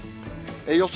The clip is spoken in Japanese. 予想